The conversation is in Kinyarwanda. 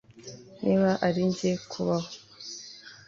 niba ari njye kubaho